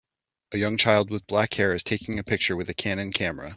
A young child with black hair is taking a picture with a Canon camera.